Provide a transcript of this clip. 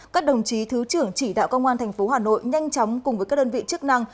các đồng chí thứ trưởng chỉ đạo công an tp hà nội nhanh chóng cùng với các đơn vị chức năng